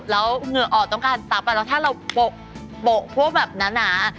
แล้วเหงื่อออกต้องการทรัพย์แล้วถ้าเราโปะพวกแบบหนา